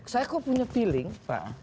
saya kok punya feeling pak